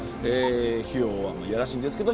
費用は、やらしいんですけど